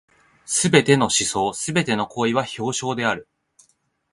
凡すべての思想凡ての行為は表象である。